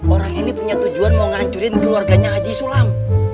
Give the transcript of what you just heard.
orang ini punya tujuan mau ngancurin keluarganya haji sulam